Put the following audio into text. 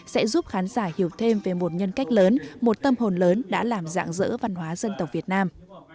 sẽ giúp khán giả hiểu thêm về một nhân cách lớn một tâm hồn lớn đã làm dạng dỡ văn hóa dân tộc việt nam